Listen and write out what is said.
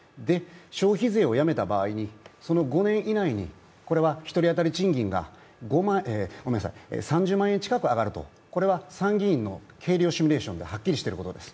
消費税をやめた場合に、その５年以内に、これは１人当たり賃金が３０万円近く上がると、参議院のシミュレーションではっきりしてることです。